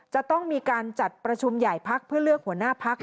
จะต้องมีการจัดประชุมใหญ่พักเพื่อเลือกหัวหน้าพัก